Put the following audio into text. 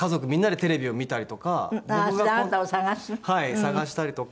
探したりとか。